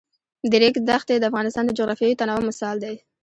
د ریګ دښتې د افغانستان د جغرافیوي تنوع مثال دی.